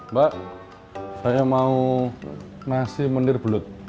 mbak saya mau nasi mendir belut